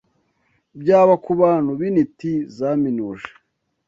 Byaba ku bantu b’intiti zaminuje